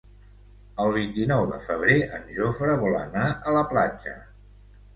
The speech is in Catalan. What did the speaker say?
El vint-i-nou de febrer en Jofre vol anar a la platja.